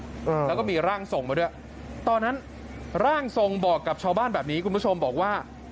อืมแล้วก็มีร่างทรงมาด้วยตอนนั้นร่างทรงบอกกับชาวบ้านแบบนี้คุณผู้ชมบอกว่า